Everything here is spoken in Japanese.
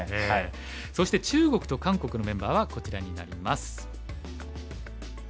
そして中国と韓国のメンバーはこちらになります。